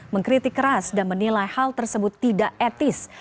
mengkritik keras dan menilai hal tersebut tidak etis